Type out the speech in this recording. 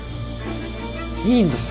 いいんです。